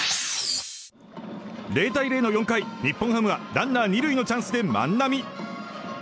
０対０の４回、日本ハムはランナー２塁のチャンスで万波。